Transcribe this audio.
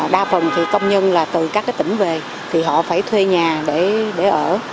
đa phần công nhân từ các tỉnh về thì họ phải thuê nhà để ở